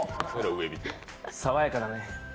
爽やかだね。